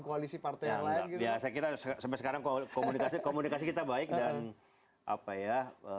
ya saya kira sampai sekarang komunikasi kita baik dan apa ya